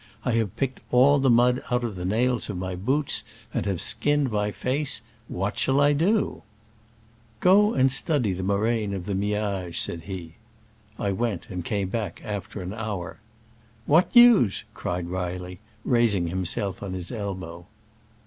I have picked all the mud out of the nails of my boots, and have skinned my face : what shall I do ?" "Go and study the moraine of the Miage," said he. I went, and came back after an hour. •* What news ?" cried Reilly, raising him self on his elbow.